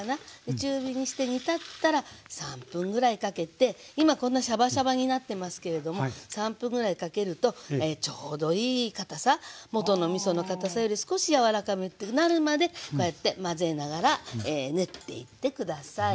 中火にして煮立ったら３分ぐらいかけて今こんなシャバシャバになってますけれども３分ぐらいかけるとちょうどいい堅さ元のみその堅さより少しやわらかくなるまでこうやって混ぜながら練っていって下さい。